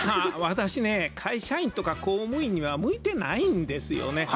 私ね会社員とか公務員には向いてないんですよね。